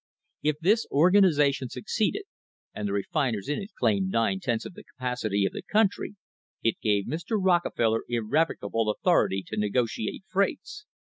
If this organisation succeeded, and the refiners in it claimed nine tenths of the capacity of the country — it gave Mr. Rockefeller "irrevoca ble authority" to negotiate freights.